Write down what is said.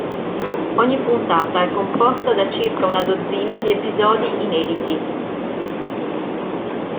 Ogni puntata è composta da circa una dozzina di episodi inediti.